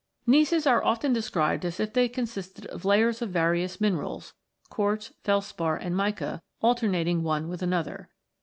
Gneisses are often described as if they consisted of layers of various minerals, quartz, felspar, and mica, alternating one with another.